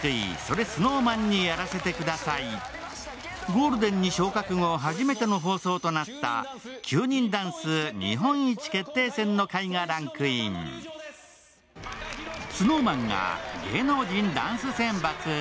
ゴールデンに昇格後初めての放送となった９人ダンス日本一決定戦の回がランクインＳｎｏｗＭａｎが芸能人ダンス選抜